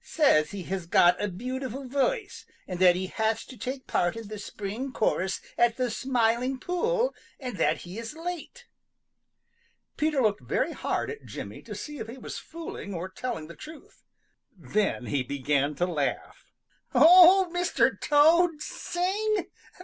"Says he has got a beautiful voice, and that he has to take part in the spring chorus at the Smiling Pool and that he is late." Peter looked very hard at Jimmy to see if he was fooling or telling the truth. Then he began to laugh. "Old Mr. Toad sing!